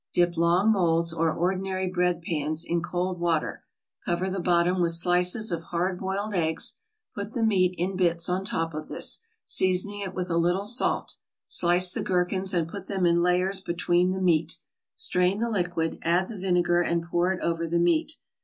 Dip long molds, or ordinary bread pans, in cold water, cover the bottom with slices of hard boiled eggs, put the meat in bits on top of this, seasoning it with a little salt. Slice the gherkins and put them in layers between the meat. Strain the liquid, add the vinegar, and pour it over the meat.